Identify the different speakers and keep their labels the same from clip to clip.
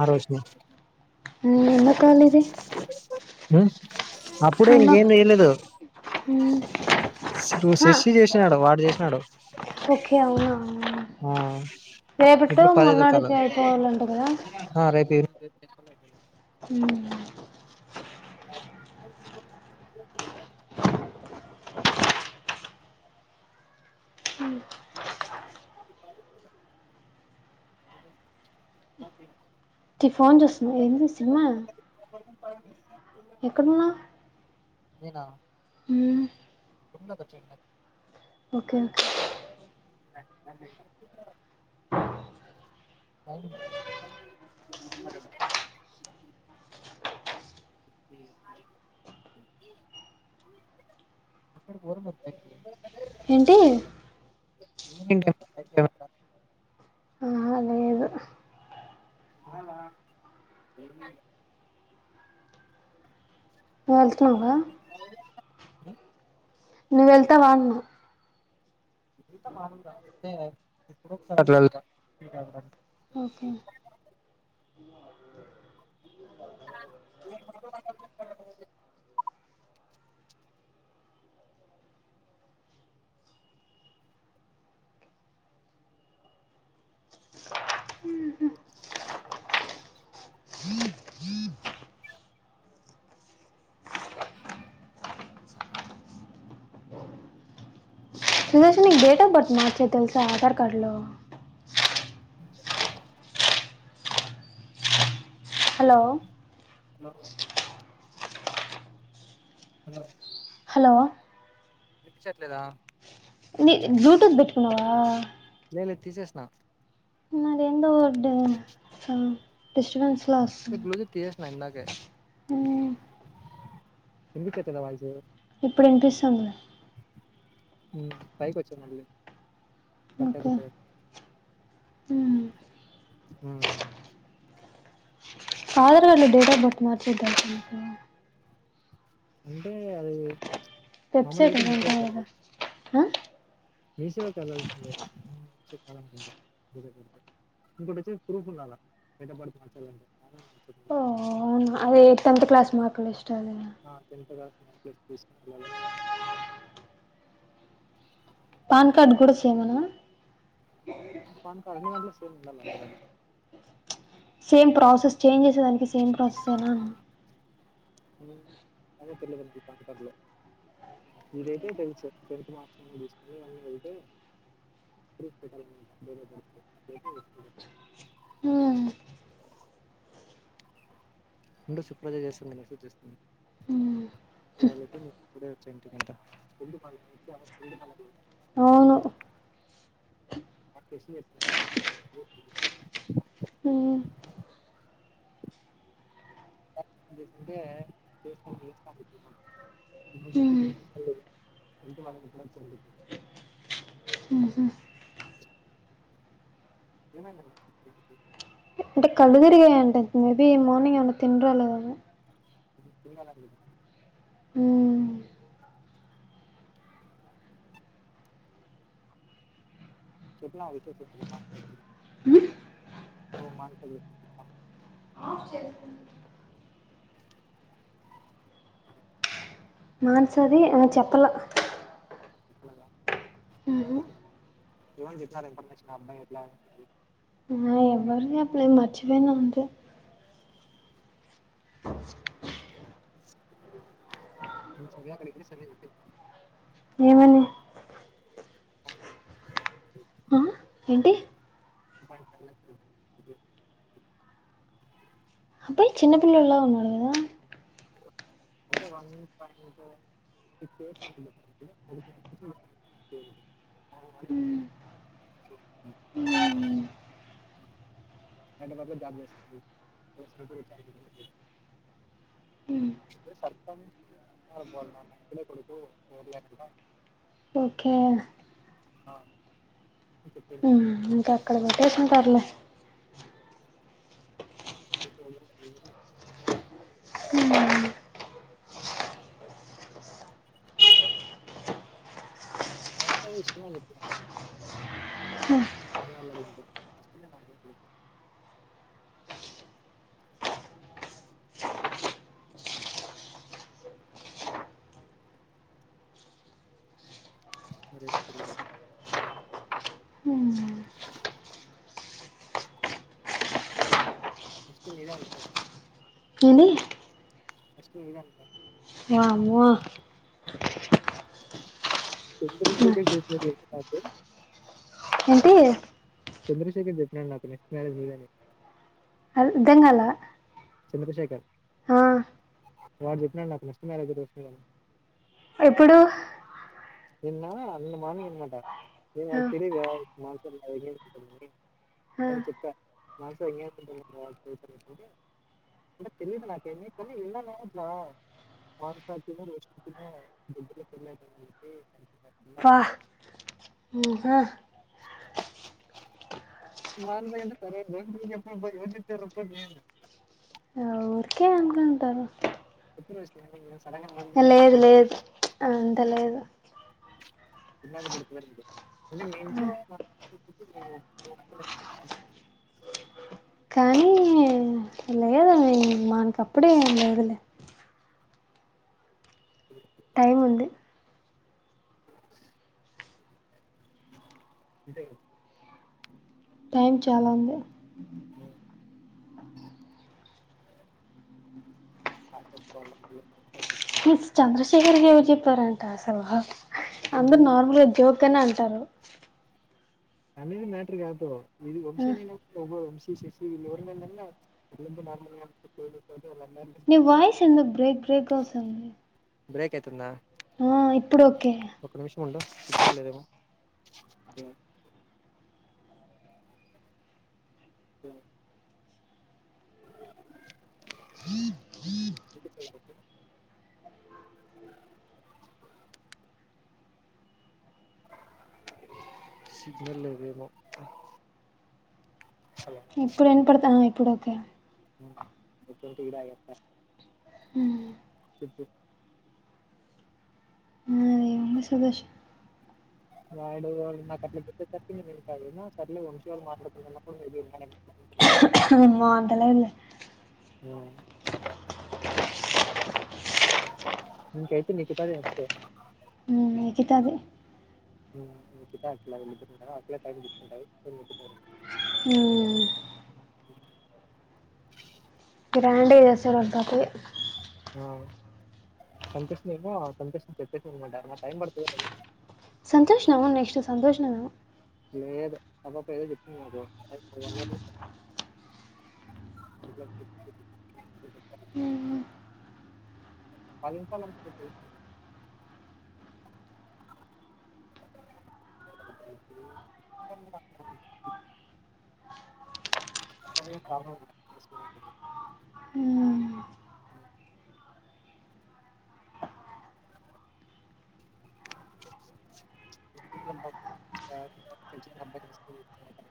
Speaker 1: ఆ రోజు
Speaker 2: అన్నో కాల్ ఇది
Speaker 1: అప్పుడే
Speaker 2: అవునా
Speaker 1: ఇంకేం చేయలేదు ఇప్పుడు
Speaker 2: హ
Speaker 1: శశి చేసినాడు వాడు చేసినాడు
Speaker 2: ఓకే అవునా
Speaker 1: ఆ
Speaker 2: సేబటు
Speaker 1: ఇప్పుడు పదైదు ఎక్కాల
Speaker 2: మన్నాడికియిపోవలంట కూదా
Speaker 1: ఆ రేపు ఈవినింగ్
Speaker 2: ఉ
Speaker 1: ఓకే
Speaker 2: ఫోన్ చేూస్తున్నాం ఏంది సినిమా ఎక్కడున్నా
Speaker 1: నేనా
Speaker 2: ఉ
Speaker 1: ఉన్న పచల
Speaker 2: ఓకే
Speaker 1: అ అ అక్ [unintelligible] బోర్
Speaker 2: ఏంటి ఆహా లేదు
Speaker 1: [unintelligible] అవునా
Speaker 2: వెళ్తునావా
Speaker 1: ఉమ్,
Speaker 2: నువ్వు వెళ్తావా అన్నా
Speaker 1: వెళ్తా
Speaker 2: ఉహూ ఉహూ సుదర్శన్ నీకు డేట్ ఆఫ్ బర్త్ మార్చేది తెలుసా ఆధార్ కార్డు లో
Speaker 1: [unintelligible]
Speaker 2: హలో
Speaker 1: హలో అ
Speaker 2: హలో
Speaker 1: వినిపించట్లేదా
Speaker 2: బ్లూటూత్ పెటుకున్నావా
Speaker 1: సరే తీసేస్త
Speaker 2: మరేందో డిస్టబెన్స్ ల వస్తుంది
Speaker 1: బ్లూటూత్ తీసేసిన ఇందాకే
Speaker 2: ఉమ్
Speaker 1: వినిపించట్లేదా వాయిస్
Speaker 2: ఇప్పుడు వినిపిస్తుంది
Speaker 1: పైకి వచ్చ మళ్ళీ కట్
Speaker 2: ఓకే
Speaker 1: అయిపోతది.
Speaker 2: ఉమ్
Speaker 1: హ్మ్.
Speaker 2: ఆధార్ కార్డు లో డేట్ ఆఫ్ బర్త్ మార్చేద్దాం
Speaker 1: అంటే అది మామూలుగా
Speaker 2: వెబ్సైట్
Speaker 1: అయితే
Speaker 2: ఉంటాది కదా ఆ
Speaker 1: మీసేవ కి వెళ్లాల్సింది చెప్తారు అనుకుంటా ఇంకోటి వచ్చి ప్రూఫ్ ఉండాలా డేట్ అఫ్ బర్త్ మార్చాలి అంటే
Speaker 2: ఓ అవును అదే టెంత్ క్లాస్ మార్కుల లిస్టు
Speaker 1: ఆ టెన్త్ క్లాస్ మార్క్ లిస్టు తీసుకుని వెలాల
Speaker 2: పాన్ కార్డ్ కూడా సేమ్ నా
Speaker 1: పాన్ కార్డు అన్నిట్లో సేమ్ ఉండాల మేడం
Speaker 2: సేమ్ ప్రాసెస్ చేంజ్ చేసేదానికి సేమ్ ప్రాసెస్ ఏనా అన్నా
Speaker 1: ఏమో తెలిదు నాకు పాన్ కార్డు లో ఇదైతే టెన్త్ టెన్త్ మార్కుల లిస్టు తీసుకుని వెళ్తే అయితది పెట్టాలి వేరే దాంట్లో
Speaker 2: ఆ
Speaker 1: ఉండు సుప్రజా చేస్తుంది మెసేజ్ చేస్తుంది కాలేజ్ నుండి ఇప్పుడే ఇంటికి వచ్చా అంట
Speaker 2: అవును హ్మ్
Speaker 1: [unintelligible] చేయకుంటే
Speaker 2: హ్మ్
Speaker 1: [unintelligible]
Speaker 2: ఉహూ
Speaker 1: ఏం అయింది
Speaker 2: అంటే కళ్ళు తిరిగాయంట మేబి మార్నింగ్ ఏమన్నా తిని రాలేదేమో
Speaker 1: చేయాలని చెపిన
Speaker 2: ఉమ్
Speaker 1: చెప్పినవా [unintelligible] అర్థం కాలేదు
Speaker 2: మార్చ్ అది ఆ చెప్పలా ఊహూ
Speaker 1: [inaudible] ఏమని చెపినారు ఇన్ఫర్మేషన్ అబ్బాయి ఎట్లా ఏంది
Speaker 2: [unintelligible] మర్చిపోయినా అంతే
Speaker 1: [inaudible]
Speaker 2: ఏమని అంటే
Speaker 1: [inaudible]
Speaker 2: అబ్బయ్ చిన్నపిల్లోడిలా ఉన్నాడు గదా
Speaker 1: అంటే వన్ పాయింట్ [inaudible] [inaudible]
Speaker 2: హ్మ్.
Speaker 1: హైద్రాబాద్ లో జాబ్ [inaudible]
Speaker 2: ఉ
Speaker 1: ఊరి సర్పంచ్ [unintelligible] ఒక్కడే కొడుకు [inaudible]
Speaker 2: ఓకే
Speaker 1: ఆ అని చెప్పింది
Speaker 2: ఊహ్ ఇంక అక్కడ పెట్టేసుంటార్లే
Speaker 1: [inaudible]
Speaker 2: ఉ
Speaker 1: మావిడికాయ ఈసుకున్నా అని చెప్ప [inaudible] [inaudible]
Speaker 2: [unintelligible]
Speaker 1: [inaudible]
Speaker 2: హ్మ్.
Speaker 1: నెష్ట్ నీదే అన్ ప్లేస్ లో
Speaker 2: ఏమి
Speaker 1: ఫస్ట్ [inaudible]
Speaker 2: వామ్మో
Speaker 1: [inaudible]
Speaker 2: హ్మ్. ఏంటి?
Speaker 1: చంద్రశేఖర్ చెప్పినాడు నాకు నెస్ట్ మ్యారేజ్ మీదని
Speaker 2: అద్దంగాలా
Speaker 1: చంద్రశేఖర్ వాడు చెప్పినాడు నాకు [inaudible]
Speaker 2: ఎప్పుడు
Speaker 1: నిన్నా అన్న మార్నింగ్ [unintelligible] ఏం
Speaker 2: ఆ!
Speaker 1: వాకి తెలీదా కదా
Speaker 2: ఆ!
Speaker 1: [unintelligible] [inaudible] అని చెప్పా [unintelligible] [inaudible] అంటె తెలీదు నాకేమీ కానీ [unintelligible] [inaudible]
Speaker 2: వాహ్ ఊహ
Speaker 1: [unintelligible] సరే [unintelligible] ఎవర్ చెప్పారబ్బ అనేను
Speaker 2: ఉంటావా
Speaker 1: [inaudible]
Speaker 2: లేదు
Speaker 1: టాక్స్
Speaker 2: లేదు అదంత లేదు
Speaker 1: చిన్న [unintelligible] [inaudible] అంటే మీ ఇంట్లో [inaudible]
Speaker 2: [unintelligible] మన్క్ అప్పుడే ఏం లేదులే టైం ఉంది.
Speaker 1: [inaudible] అంతేగా
Speaker 2: టైమ్ చాలా ఉంది
Speaker 1: అవును [unintelligible]
Speaker 2: చంద్రశేఖర్ ఎవరు చెప్పారంట అసలు అందరు
Speaker 1: దూరం
Speaker 2: నార్మల్ జోకుగానే అనుకున్నారు అంటారు
Speaker 1: అనేది మ్యాటర్ కాదు ఇది వంశీ
Speaker 2: ఆ
Speaker 1: అన్న ఎన్సిసి లో ఎవరైనా ఎవరైనా ఉన్నారా
Speaker 2: నీ వాయిస్ ఎందుకు బ్రేక్ బ్రేక్ వస్తుంది
Speaker 1: బ్రేక్ అయితాందా
Speaker 2: ఆ ఇప్పుడు ఒకే
Speaker 1: లేదమ సరే
Speaker 2: జిద్ జిత్ వర్షం సౌండ్
Speaker 1: సిగ్నల్ లేదేమో హలో
Speaker 2: ఇప్పుడు వినపడ్తోంది ఇప్పుడు ఒకే
Speaker 1: టీ తాగే వస్తా చెప్పు
Speaker 2: అంగ సంతోషం
Speaker 1: నాయుడు వాళ్ళు నాకు అట్లా చేప్పేసరికి నేను ఇంకా సర్లే వంశవాళ్ళు మాట్లాడుతుందన్న కూడా
Speaker 2: అన్నీ నీ మాటలే
Speaker 1: అవును నంకాతే నికుతదే అస్తే
Speaker 2: ఉ హు నికితదే
Speaker 1: మీకు ఇతా అట్లాన్నా అట్లా టైం తీకుంటాకు
Speaker 2: ఉ
Speaker 1: ఉ
Speaker 2: బ్రాండే చేసేరుళ కాతే
Speaker 1: ఆ సంతోష్ న సంతోష్ చెప్పేమాంట టై పడుతు
Speaker 2: సంతోష నము నెక్స్ట్ సంతోష నము
Speaker 1: లేదు ఆ పాప ఏదో చెప్పింది నాకు వన్ ఇయర్
Speaker 2: అ
Speaker 1: అ పాలన్ పాలన్
Speaker 2: ఆ
Speaker 1: మీరెప్పుడు వస్తారు అరే
Speaker 2: ఆ
Speaker 1: ఇక తెలిసినోళ్ల అబ్బాయి అని చెప్పినవట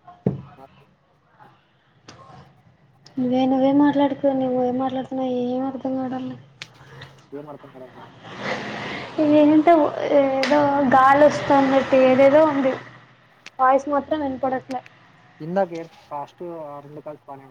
Speaker 2: నువ్వే నువ్వే మాట్లాడుకువు నువ్వే మాట్లాడుతున్నావు ఏం అర్ధం కాడని
Speaker 1: ఏంమాతను మేడమ్
Speaker 2: ఏంటంటే ఏదో గాలి వస్తుందిట్టి ఏదేదో ఉంది వయిస్ మాత్రం వెనుపడకులే
Speaker 1: ఇందా కేేర్ కాస్ట్టు రెండు కాల పాల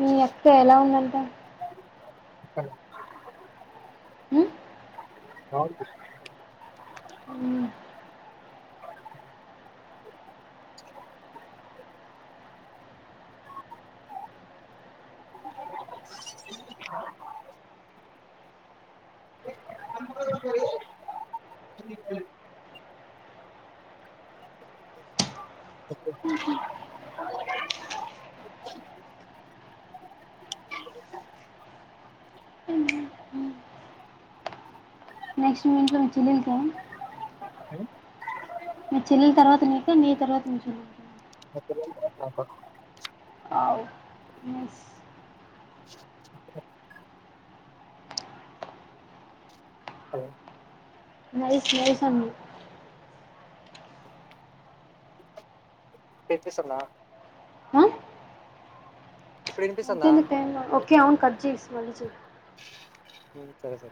Speaker 2: మీ అక్క ఎలా ఉందంట
Speaker 1: సంతోషం
Speaker 2: ఉమ్
Speaker 1: అవునా
Speaker 2: ఉమ్
Speaker 1: కుక్క అరుపు తీసుకెళ్లండి
Speaker 2: నెక్స్ట్ మినింట్లో మీ చెల్లకా మీ చెల్లెల తర్వాత నిక నీ తర్వాత మీ చెల్లిక ఎస్ నైస్ నైస్ అం
Speaker 1: ఇనిపిస్తుందా ఇప్పుడు వినిపిస్తుందా
Speaker 2: ఎంతుంది టైం ఓకే అవును కట్ చేసి మళ్ళి చేయ్
Speaker 1: సరే సరే